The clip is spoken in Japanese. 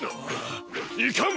いかん！